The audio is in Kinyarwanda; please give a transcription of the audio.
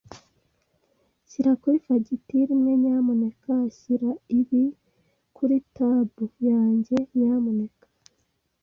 Shyira kuri fagitire imwe, nyamuneka. Shyira ibi kuri tab yanjye, nyamuneka.